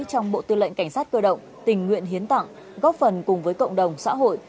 trong bộ tư lệnh cảnh sát cơ động tình nguyện hiến tặng góp phần cùng với cộng đồng xã hội